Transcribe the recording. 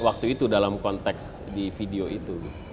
waktu itu dalam konteks di video itu